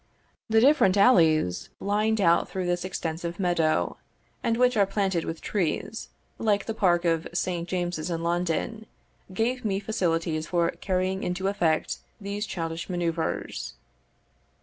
The different alleys lined out through this extensive meadow, and which are planted with trees, like the Park of St. James's in London, gave me facilities for carrying into effect these childish manoeuvres.